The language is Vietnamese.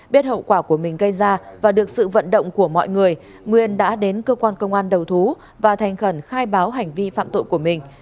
biết hậu quả của mình gây ra và được sự vận động của mọi người nguyên đã đến cơ quan công an đầu thú và thành khẩn khai báo hành vi phạm tội của mình